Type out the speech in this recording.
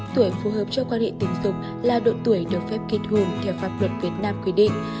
tuổi phù hợp cho quan hệ tình dục là độ tuổi được phép kết hôn theo pháp luật việt nam quy định